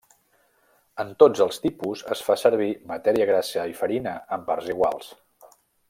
En tots els tipus es fa servir matèria grassa i farina en parts iguals.